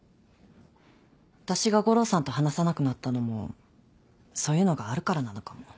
私が悟郎さんと話さなくなったのもそういうのがあるからなのかも。